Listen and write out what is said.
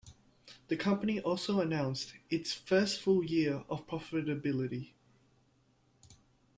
The company also announced its first full year of profitability.